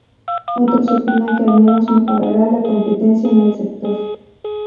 Otros opinan que al menos mejorará la competencia en el sector.